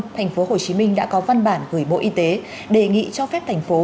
thành phố hồ chí minh đã có văn bản gửi bộ y tế đề nghị cho phép thành phố